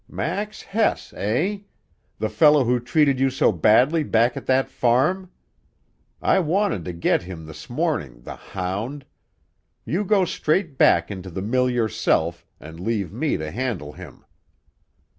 "Max Hess, eh? The fellow who treated you so badly back at that farm? I wanted to get him this morning, the hound! You go straight back into the mill yourself, and leave me to handle him."